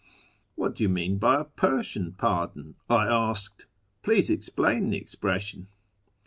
"" What do you mean by a ' Persian pardon ?'" I asked ;" please explain the expression."